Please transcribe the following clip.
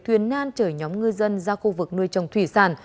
thuyền nan chở nhóm ngư dân ra khu vực nuôi trồng thủy sản